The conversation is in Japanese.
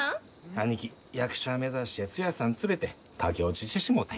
兄貴役者目指してツヤさん連れて駆け落ちしてしもうたんや。